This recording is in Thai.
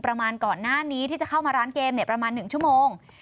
ประมาณก่อนหน้านี้ที่จะเข้ามาร้านเกมประมาณ๑ชั่วโมง